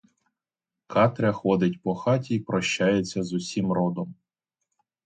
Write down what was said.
Катря ходить по хаті й прощається з усім родом.